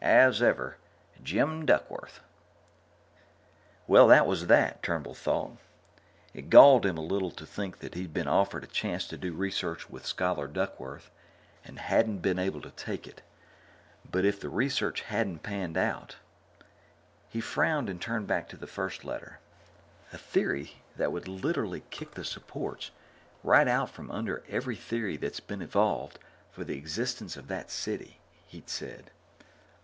As ever, Jim Duckworth Well, that was that, Turnbull thought. It galled him a little to think that he'd been offered a chance to do research with Scholar Duckworth and hadn't been able to take it. But if the research hadn't panned out.... He frowned and turned back to the first letter. A theory that would "literally kick the supports right out from under every theory that's been evolved for the existence of that city," he'd said.